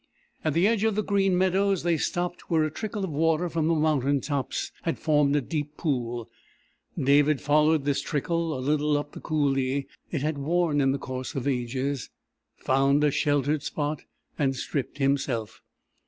At the edge of the green meadows they stopped where a trickle of water from the mountain tops had formed a deep pool. David followed this trickle a little up the coulée it had worn in the course of ages, found a sheltered spot, and stripped himself.